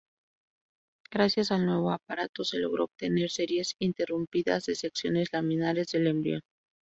Gracias al nuevo aparato, se logró obtener series ininterrumpidas de secciones laminares del embrión.